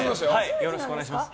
よろしくお願いします。